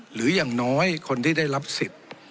หรืออย่างน้อยคนที่ได้รับสิทธิ์